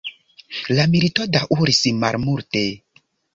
La milito daŭris malmulte.